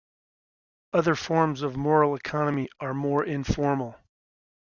Other forms of moral economy are more informal.